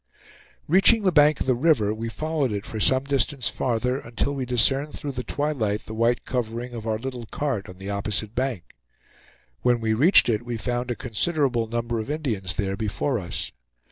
Reaching the bank of the river, we followed it for some distance farther, until we discerned through the twilight the white covering of our little cart on the opposite bank. When we reached it we found a considerable number of Indians there before us.